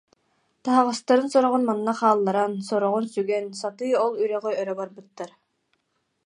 Таһаҕастарын сороҕун манна хаалларан, сороҕун сүгэн, сатыы ол үрэҕи өрө барбыттар